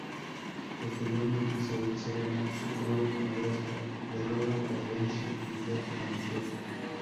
Posteriormente, Isabel Serrano, su cruel madrastra, le roba la herencia familiar a Mateo.